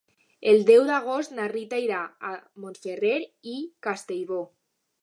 El deu d'agost na Rita irà a Montferrer i Castellbò.